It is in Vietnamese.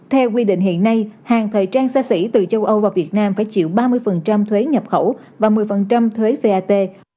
theo quy định hiện nay hàng thời trang xa xỉ từ châu âu và việt nam phải chịu ba mươi thuế nhập khẩu và một mươi thuế vat